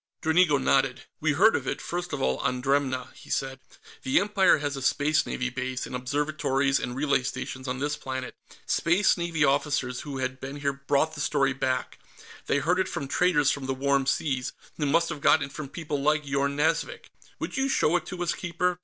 Dranigo nodded. "We heard of it, first of all, on Dremna," he said. "The Empire has a Space Navy base, and observatories and relay stations, on this planet. Space Navy officers who had been here brought the story back; they heard it from traders from the Warm Seas, who must have gotten it from people like Yorn Nazvik. Would you show it to us, Keeper?